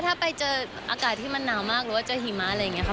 ถ้าไปเจออากาศที่มันหนาวมากหรือว่าเจอหิมะอะไรอย่างนี้ค่ะ